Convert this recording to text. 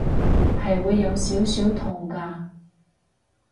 係會有少少痛㗎